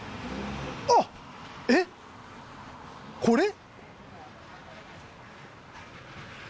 これ？